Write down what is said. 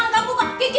jangan kaget jauh